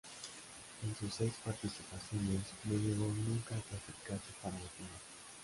En sus seis participaciones no llegó nunca a clasificarse para la final.